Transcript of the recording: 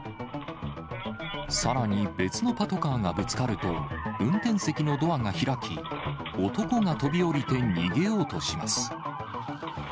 さらに別のパトカーがぶつかると、運転席のドアが開き、男が飛び降りて逃げようとします。